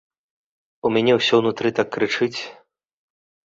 У мяне ўсё ўнутры так крычыць!